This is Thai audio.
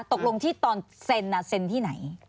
ตกลงที่ตอนเซ็นเซ็นที่ไหน